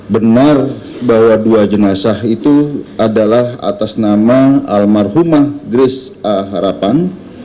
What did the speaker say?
benar bahwa dua jenazah itu adalah atas nama almarhumah grace a harapan